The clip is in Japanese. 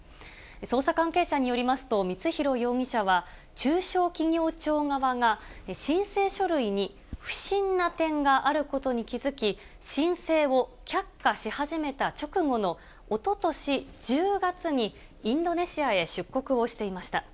捜査関係者によりますと、光弘容疑者は、中小企業庁側が、申請書類に不審な点があることに気付き、申請を却下し始めた直後のおととし１０月にインドネシアへ出国をしていました。